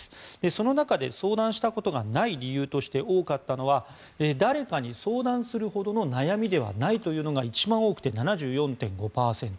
その中で相談したことがない理由として多かったのが誰かに相談するほどの悩みではないというのが一番多くて７４．５％。